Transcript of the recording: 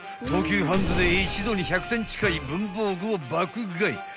東急ハンズで一度に１００点近い文房具を爆買い］